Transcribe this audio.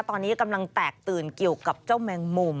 ตอนนี้กำลังแตกตื่นเกี่ยวกับเจ้าแมงมุม